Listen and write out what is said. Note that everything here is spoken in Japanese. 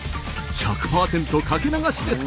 １００％かけ流しです。